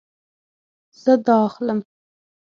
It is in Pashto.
زه دا اخلم